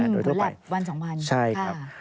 โดยทั่วไปใช่ครับวันวัน